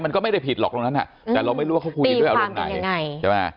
มันก็ไม่ได้ผิดหรอกตรงนั้นแต่เราไม่รู้ว่าเขาคุยกันด้วยอารมณ์ไหนใช่ไหม